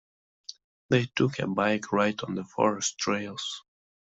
They took a bike ride on the forest trails.